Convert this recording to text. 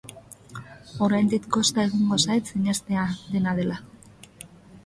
Oraindik kosta egingo zait sinestea, dena dela.